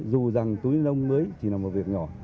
dù rằng túi lông mới chỉ là một việc nhỏ